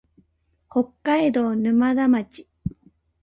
北海道沼田町